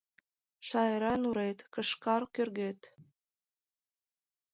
Шайра нурет — кышкар кӧргет